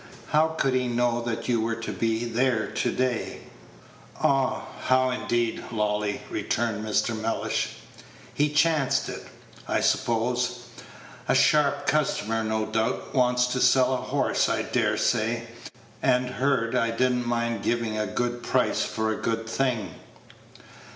"How could he know that you were to be there to day?" "Ah! how indeed, Lolly?" returned Mr. Mellish. "He chanced it, I suppose. A sharp customer, no doubt; wants to sell a horse, I dare say, and heard I did n't mind giving a good price for a good thing."